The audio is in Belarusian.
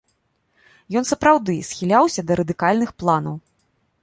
Ён сапраўды схіляўся да радыкальных планаў.